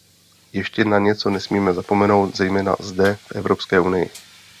Ještě na něco nesmíme zapomenout, zejména zde v Evropské unii.